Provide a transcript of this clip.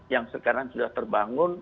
yang sekarang sudah terbangun